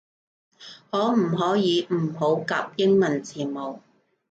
可唔可以唔好夾英文字母